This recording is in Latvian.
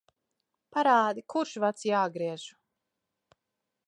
Parādi, kurš vads jāgriež.